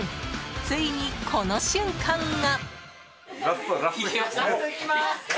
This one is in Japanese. ついに、この瞬間が。